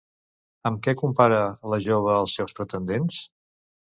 Amb què compara la jove els seus pretendents?